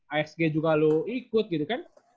asg juga lo ikut gitu kan